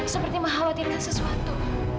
seperti mengkhawatirkan sesuatu